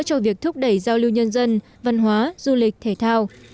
cho việc thúc đẩy giao lưu nhân dân văn hóa du lịch thể thao